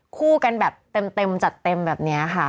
คู่กันแบบเต็มจัดเต็มแบบนี้ค่ะ